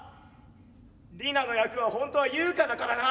リナの役は本当はユウカだからな。